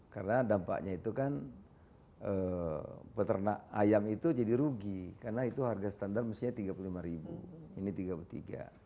karena dampaknya itu kan peternak ayam itu jadi rugi karena itu harga standar maksudnya tiga puluh lima ini tiga puluh tiga